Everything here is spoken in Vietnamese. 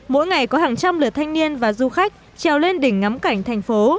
mỗi ngày có hàng trăm lượt thanh niên và du khách trèo lên đỉnh ngắm cảnh thành phố